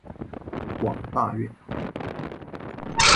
广大院。